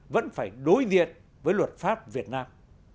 vẫn phải đối diện với luật pháp việt nam